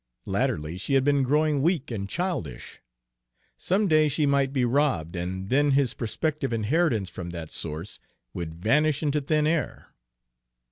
Latterly she had been growing weak and childish. Some day she might be robbed, and then his prospective inheritance from that source would vanish into thin air!